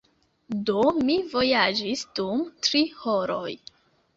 Do, mi vojaĝis dum tri horoj.